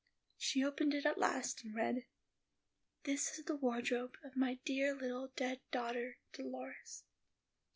She opened it at last, and read, "This is the wardrobe of my dear little dead daughter Dolores."